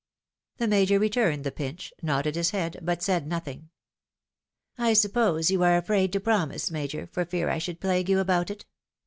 The Major returned the pinch, nodded his head, but said nothing. " I suppose you axe afraid to promise. Major, for fear I should plague you about it?